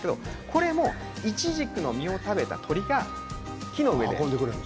これはイチジクの実を食べた鳥が木の上で。